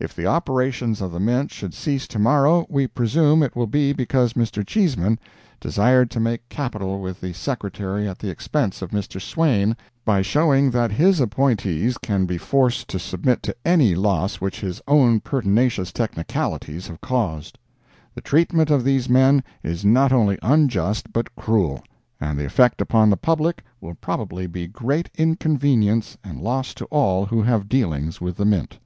If the operations of the Mint should cease tomorrow, we presume it will be because Mr. Cheesman desired to make capital with the Secretary at the expense of Mr. Swain, by showing that his appointees can be forced to submit to any loss which his own pertinacious technicalities have caused. The treatment of these men is not only unjust but cruel, and the effect upon the public will probably be great inconvenience and loss to all who have dealings with the Mint.